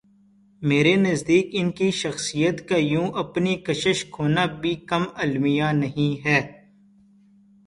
میرے نزدیک ان کی شخصیت کا یوں اپنی کشش کھونا بھی کم المیہ نہیں ہے۔